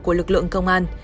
của lực lượng công an